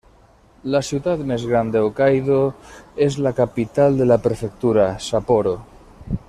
La ciutat més gran de Hokkaido és la capital de la prefectura, Sapporo.